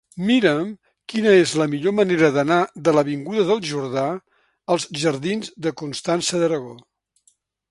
Mira'm quina és la millor manera d'anar de l'avinguda del Jordà als jardins de Constança d'Aragó.